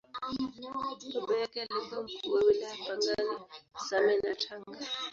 Baba yake alikuwa Mkuu wa Wilaya Pangani, Same na Tanga.